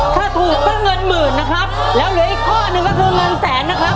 ถ้าถูกก็เงินหมื่นนะครับแล้วเหลืออีกข้อหนึ่งก็คือเงินแสนนะครับ